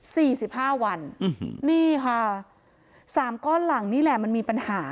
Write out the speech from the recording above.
สิบห้าวันอืมนี่ค่ะสามก้อนหลังนี่แหละมันมีปัญหา